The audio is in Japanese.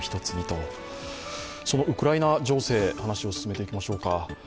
そのウクライナ情勢話を進めていきましょうか。